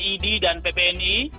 idi dan ppni